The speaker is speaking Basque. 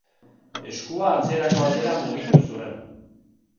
Eskua atzerako aldera mugitu zuen.